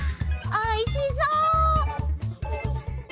おいしそう！